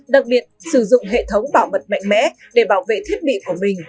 đặc biệt sử dụng hệ thống bảo mật mạnh mẽ để bảo vệ thiết bị của mình